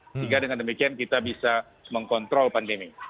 sehingga dengan demikian kita bisa mengkontrol pandemi